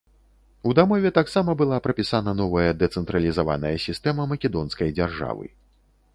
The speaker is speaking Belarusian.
У дамове таксама была прапісана новая дэцэнтралізаваная сістэма македонскай дзяржавы.